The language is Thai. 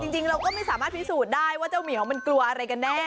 จริงเราก็ไม่สามารถพิสูจน์ได้ว่าเจ้าเหมียวมันกลัวอะไรกันแน่